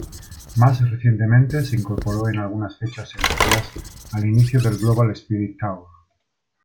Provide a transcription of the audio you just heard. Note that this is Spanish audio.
Más recientemente, se incorporó en algunas fechas europeas al inicio del Global Spirit Tour.